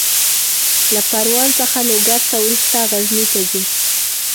له پروان څخه لوګر ته، وروسته غزني ته ځي.